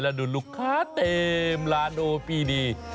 แล้วดูลูกค้าเต็มร้านโอฟี่ดี